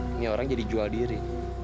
ini orang jadi jual diri